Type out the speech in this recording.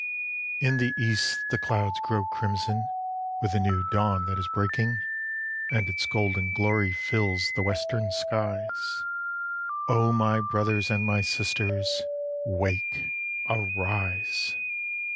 In the East the clouds glow crimson with the new dawn that is breaking, And its golden glory fills the western skies. O my brothers and my sisters, wake! arise!